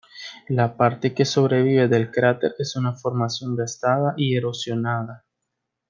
La parte que sobrevive del cráter es una formación gastada y erosionada.